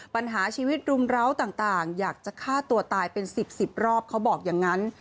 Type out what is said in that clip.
ปัญหาชีวิตรุมร้าวต่างอยากจะฆ่าตัวตายเป็น๑๐๑๐รอบเขาบอกอย่างนั้น